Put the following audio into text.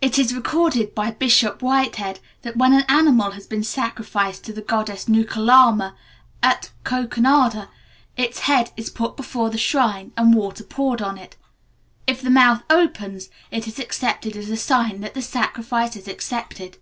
It is recorded by Bishop Whitehead that, when an animal has been sacrificed to the goddess Nukalamma at Coconada, its head is put before the shrine, and water poured on it. If the mouth opens, it is accepted as a sign that the sacrifice is accepted.